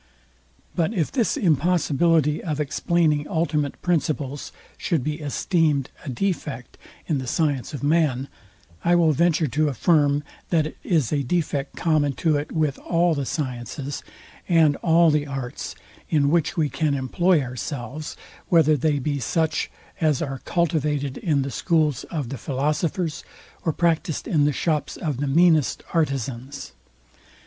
But if this impossibility of explaining ultimate principles should be esteemed a defect in the science of man, I will venture to affirm, that it is a defect common to it with all the sciences, and all the arts, in which we can employ ourselves, whether they be such as are cultivated in the schools of the philosophers, or practised in the shops of the meanest artizans.